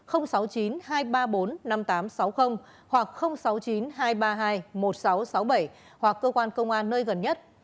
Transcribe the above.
hoặc sáu mươi chín hai trăm ba mươi hai một nghìn sáu trăm sáu mươi bảy hoặc cơ quan công an nơi gần nhất